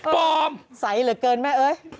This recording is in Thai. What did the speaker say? ปลอมใสเหลือเกินแม่เอ้ย